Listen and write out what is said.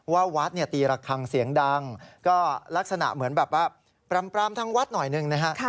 วัดเนี่ยตีระคังเสียงดังก็ลักษณะเหมือนแบบว่าปรำทางวัดหน่อยหนึ่งนะฮะ